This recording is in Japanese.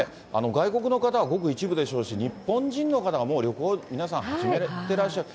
外国の方はごく一部でしょうし、日本人の方がもう旅行、皆さん始めてらっしゃる。